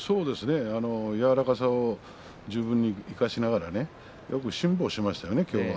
柔らかさを十分に生かしながらねよく辛抱しましたね。